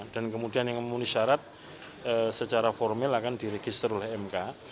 dan kemudian yang memenuhi syarat secara formal akan diregister oleh mk